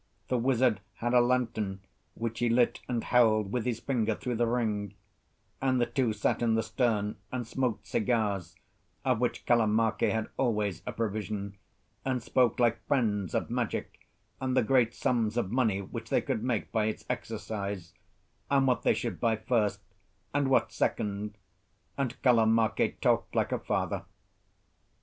The wizard had a lantern, which he lit and held with his finger through the ring; and the two sat in the stern and smoked cigars, of which Kalamake had always a provision, and spoke like friends of magic and the great sums of money which they could make by its exercise, and what they should buy first, and what second; and Kalamake talked like a father.